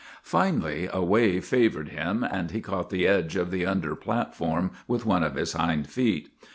' Finally a wave favored him, and he caught the edge of the under platform with one of his hind feet.